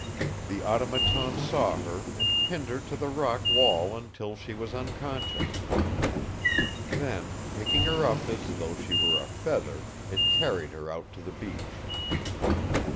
The Automaton saw her and pinned her to the rock wall until she was unconscious. Then, picking her up as though she were a feather, it carried her out to the beach.